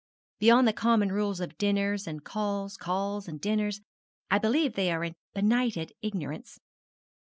Beyond the common rules of dinners and calls, calls and dinners, I believe they are in benighted ignorance.